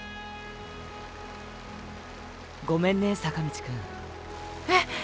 ごめんね坂道くん。え？